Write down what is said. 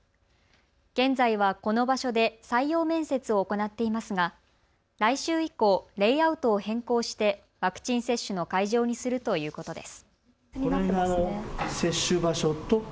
現在はこの場所で採用面接を行っていますが来週以降、レイアウトを変更してワクチン接種の会場にするということです。